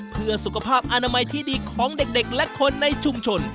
เพื่อสุขภาพอนามัยที่ดีของเด็กและคนในชุมชน